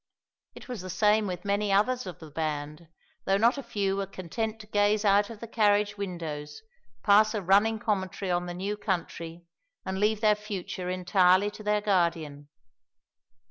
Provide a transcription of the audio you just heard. It was the same with many others of the band, though not a few were content to gaze out of the carriage windows, pass a running commentary on the new country, and leave their future entirely to their Guardian.